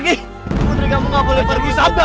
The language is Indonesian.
putri kamu gak boleh pergi